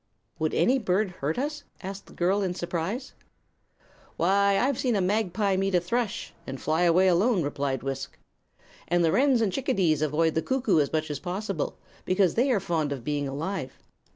"Would any bird hurt us?" asked the girl, in surprise. "Why, I've seen a magpie meet a thrush, and fly away alone," replied Wisk. "And the wrens and chickadees avoid the cuckoo as much as possible, because they are fond of being alive.